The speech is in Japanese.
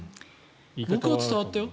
僕は伝わったよ。